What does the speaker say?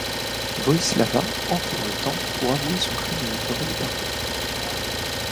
Voyslava entre dans le temple pour avouer son crime et implorer le pardon.